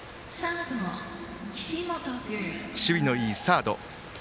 岸本は、守備のいいサード。